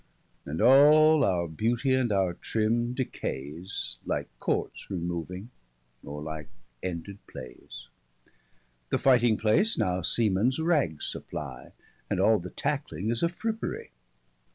And all our beauty, and our trimme, decayes, Like courts removing, or like ended playes. The fighting place now seamens ragges supply; 15 And all the tackling is a frippery.